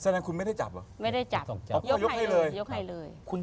นั้นคุณไม่ได้หยับอยู่